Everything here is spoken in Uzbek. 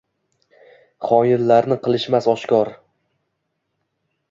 Xoinlarni qilishmas oshkor.